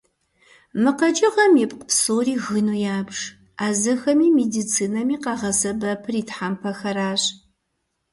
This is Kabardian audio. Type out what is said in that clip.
Мы къэкӏыгъэм ипкъ псори гыну ябж, ӏэзэхэми медицинэми къагъэсэбэпыр и тхьэмпэхэращ.